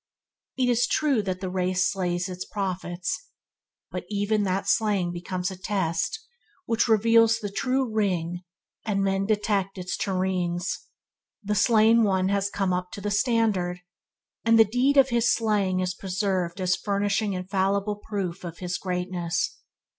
It is true that the race slays its prophets, but even that slaying becomes a test which reveals the true ring, and men detect its tureens. The slain one has come up to the standard, and the deed of his slaying is preserved as furnishing infallible proof of his greatness.